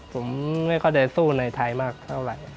ผมไม่ค่อยได้สู้ในไทยมากเท่าไหร่